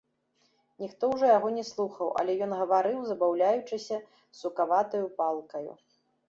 Ніхто ўжо яго не слухаў, але ён гаварыў, забаўляючыся сукаватаю палкаю.